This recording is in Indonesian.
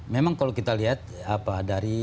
memang kalau kita lihat dari